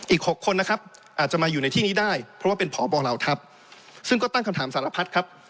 อีก๖คนนะครับอาจจะมาอยู่ในที่นี้ได้เพราะว่าเป็นพบเหล่าทัพซึ่งก็ตั้งคำถามสารพัดครับ